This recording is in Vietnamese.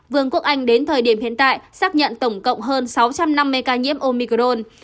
vương quốc anh đến thời điểm hiện tại xác nhận tổng cộng hơn sáu trăm năm mươi ca nhiễm omicron